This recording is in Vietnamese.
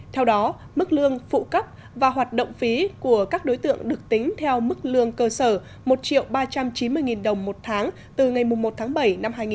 theo đó mức lương phụ cấp và hoạt động phí của các đối tượng được tính theo mức lương cơ sở một ba trăm chín mươi đồng một tháng từ ngày một bảy hai nghìn một mươi tám